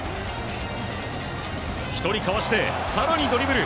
１人かわして、更にドリブル。